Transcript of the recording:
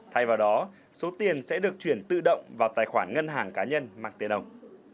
thay vào đó số tiền sẽ được chuyển tự động vào tài khoản ngân hàng cá nhân mạng tiền đồng